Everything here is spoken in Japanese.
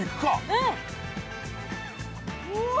うん。うお！